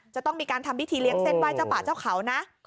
จะต้องมีการทำพิธีเลี้ยเส้นไห้เจ้าป่าเจ้าเขานะ